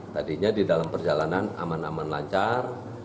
tadinya di dalam perjalanan aman aman lancar